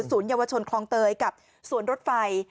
เยาวชนคลองเตยกับสวนรถไฟ